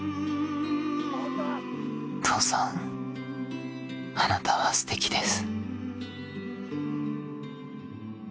父さんあなたはすてきです。